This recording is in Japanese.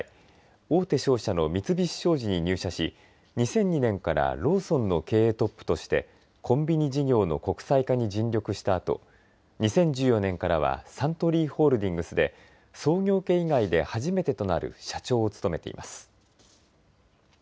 大手商社の三菱商事に入社し、２００２年からローソンの経営トップとしてコンビニ事業の国際化に尽力したあと、２０１４年からはサントリーホールディングスで創業家以外で初めてとなる社長を務めています。